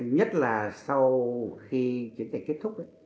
nhất là sau khi kiến trình kết thúc